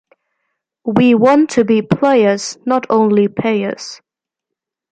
We want to be players, not only payers .